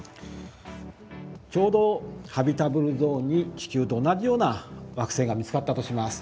ちょうどハビタブルゾーンに地球と同じような惑星が見つかったとします。